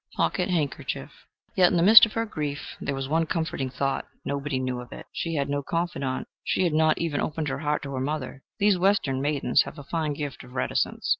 (Pocket handkerchief.) Yet in the midst of her grief there was one comforting thought nobody knew of it. She had no confidante she had not even opened her heart to her mother: these Western maidens have a fine gift of reticence.